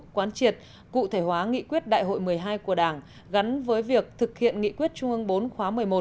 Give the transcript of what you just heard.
quán triệt cụ thể hóa nghị quyết đại hội một mươi hai của đảng gắn với việc thực hiện nghị quyết trung ương bốn khóa một mươi một